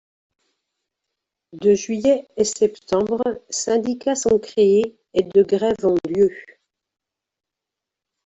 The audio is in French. De juillet et septembre, syndicats sont créés, et de grève ont lieu.